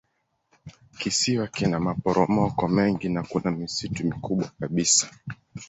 Kisiwa kina maporomoko mengi na kuna misitu mikubwa kabisa.